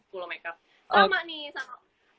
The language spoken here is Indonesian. pulau makeup sama nih